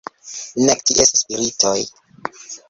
Nek ties spiritoj.